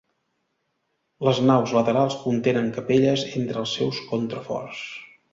Les naus laterals contenen capelles entre els seus contraforts.